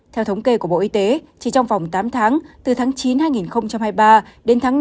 theo thống kê của bộ y tế chỉ trong vòng tám tháng từ tháng chín hai nghìn hai mươi ba đến tháng năm hai nghìn hai mươi bốn